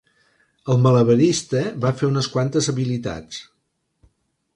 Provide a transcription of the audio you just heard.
El malabarista va fer unes quantes habilitats.